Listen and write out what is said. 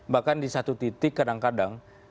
bahkan di satu titik kadang kadang